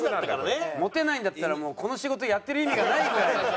モテないんだったらこの仕事やってる意味がないぐらいの。